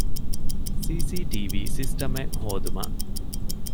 ސީސީޓީވީ ސިސްޓަމެއް ހޯދުމަށް